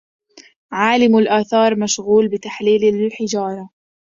عالِمُ الآثار مشغول بتحليل الحجارهْ